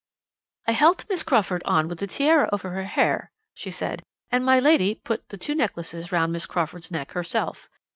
"'I helped Miss Crawford on with the tiara over her hair,' she said; 'and my lady put the two necklaces round Miss Crawford's neck herself.